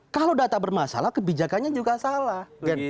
kalau data bermasalah kebijakannya juga salah